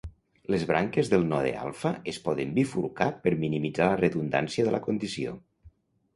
Les branques del node alfa es poden bifurcar per minimitzar la redundància de la condició.